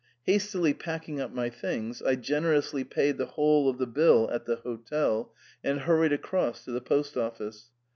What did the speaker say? Hastily packing up my things, I generously paid the whole of the bill at the hotel, and hurried across to the post office.